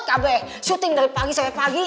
kabeh syuting dari pagi sampe pagi